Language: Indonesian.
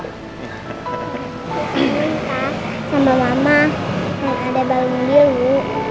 minta sama mama yang ada balon biru